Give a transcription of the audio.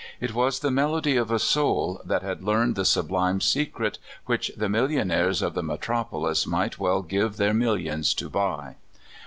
It was the melody of a soul that liad learned the sublime secret which the milHonaires of the metropolis might well give their millions to buy.